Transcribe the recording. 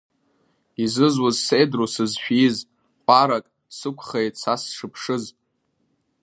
Изызуз сеидру сызшәиз, ҟәарак сықәхеит са сшыԥшыз.